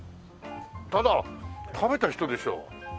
ただ食べた人でしょ。